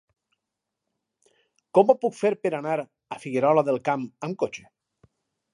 Com ho puc fer per anar a Figuerola del Camp amb cotxe?